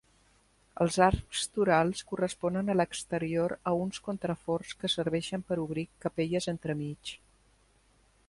Els arcs torals corresponen a l'exterior a uns contraforts que serveixen per obrir capelles entremig.